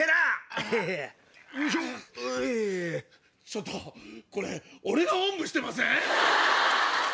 ちょっとこれ俺がおんぶしてません？